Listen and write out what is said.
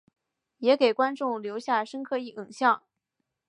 也给观众留下深刻影象。